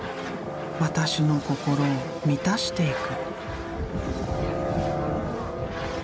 私の心を満たしていく。